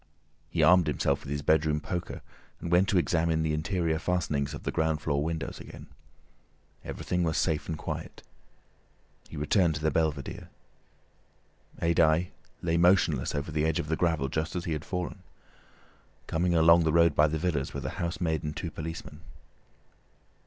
He armed himself with his bedroom poker, and went to examine the interior fastenings of the ground floor windows again. Everything was safe and quiet. He returned to the belvedere. Adye lay motionless over the edge of the gravel just as he had fallen. Coming along the road by the villas were the housemaid and two policemen.